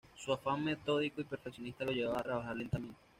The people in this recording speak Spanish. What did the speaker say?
Su afán metódico y perfeccionista le llevaba a trabajar lentamente.